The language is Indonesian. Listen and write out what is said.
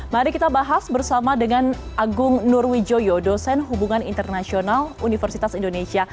mari kita bahas bersama dengan agung nurwijoyo dosen hubungan internasional universitas indonesia